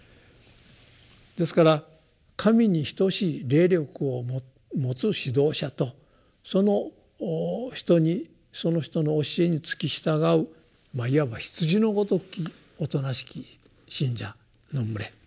ですから神に等しい霊力を持つ指導者とその人にその人の教えにつき従うまあいわば羊のごときおとなしき信者の群れ。